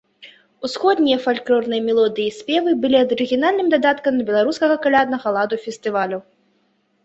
Усходнія фальклорныя мелодыі і спевы былі арыгінальным дадаткам да беларускага каляднага ладу фестывалю.